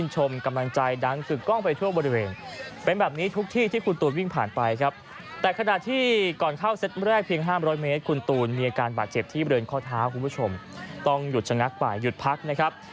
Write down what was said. ห้ามร้อยเมตรคุณตูนมีอาการบาดเจ็บที่บริเวณข้อท้าคุณผู้ชมต้องหยุดชะงักบ่ายหยุดพักนะครับ